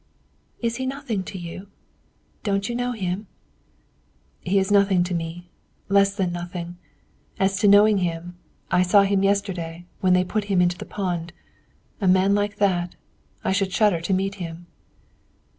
"Is he nothing to you? Don't you know him?" "He is nothing to me less than nothing. As to knowing him I saw him yesterday, when they put him into the pond. A man like that! I should shudder to meet him!"